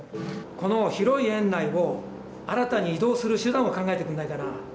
この広い園内を新たに移動する手段を考えてくんないかな。